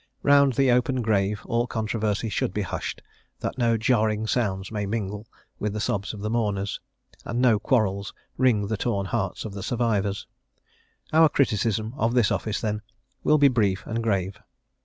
Round the open grave all controversy should be hushed, that no jarring sounds may mingle with the sobs of the mourners, and no quarrels wring the torn hearts of the survivors. Our criticism of this office, then, will be brief and grave.